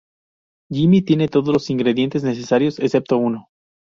Jimmy tiene todos los ingredientes necesarios excepto uno.